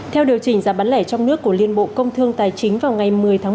theo điều chỉnh giá bán lẻ trong nước của liên bộ công thương tài chính vào ngày một mươi tháng một mươi